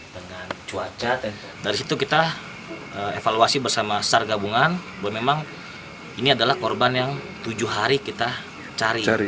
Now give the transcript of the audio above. dengan cuaca dari situ kita evaluasi bersama sar gabungan bahwa memang ini adalah korban yang tujuh hari kita cari